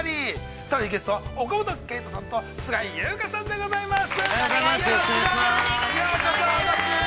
さらにゲストは岡本圭人さんと菅原友香さんでございます。